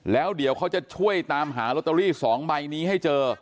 แล้วเดี๋ยวเขาจะช่วยตามหาลอตเตอรี่๒ใบนี้ให้เจอ